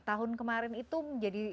tahun kemarin itu menjadi